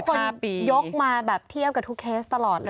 คนยกมาแบบเทียบกับทุกเคสตลอดเลย